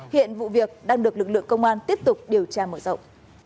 hiện vụ việc đang được lực lượng công an tiếp tục điều tra mở rộng